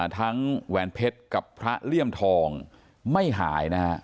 ทั้งวีรพรรดิกับพระเรียมทองไม่หาย